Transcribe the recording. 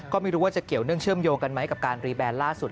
ก็ไม่รู้ว่าจะเกี่ยวเนื่องเชื่อมโยงกันไหมกับการรีแบนล่าสุด